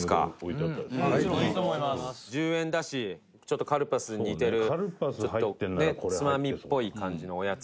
トシ：１０円だしちょっとカルパスに似てるつまみっぽい感じのおやつ。